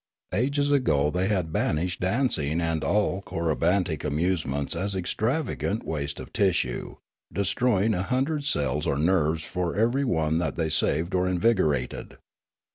Ages ago they had banished dancing and all corybantic amusements as extravagant waste of tissue, destroying a hundred cells or nerves for every one that they saved or invigorated.